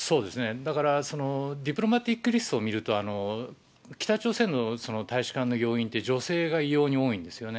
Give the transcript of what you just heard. だから、ディプロマティックリストを見ると、北朝鮮の大使館の要員って女性が異様に多いんですよね。